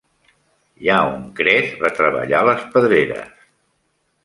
Young Kress va treballar a les pedreres.